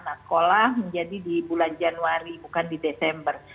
anak sekolah menjadi di bulan januari bukan di desember